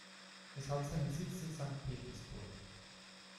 Es hat seinen Sitz in Sankt Petersburg.